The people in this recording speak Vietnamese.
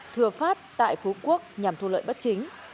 thừa phát tại phú quốc nhằm thu lợi bất chính